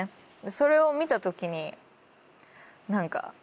それを見た時に何か。